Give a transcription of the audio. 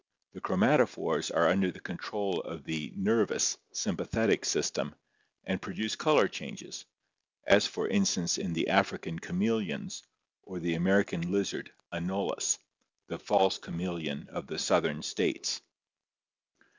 The chromatophores are under the control of the nervous (sympathetic) system and produce color changes, as for instance in the African chameleons or the American lizard, Anolis, the false chameleon of the southern states.